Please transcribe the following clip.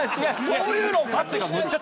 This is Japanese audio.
そういうのを隠して。